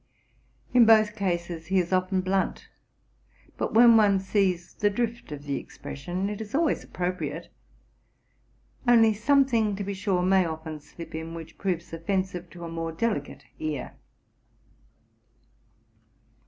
In both eases he is often blunt: but, when one sees the drift of the expression, it is always appropriate ; only something, to be sure, may often slip in, which proves offensive to a more delicate ear.